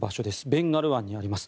ベンガル湾にあります。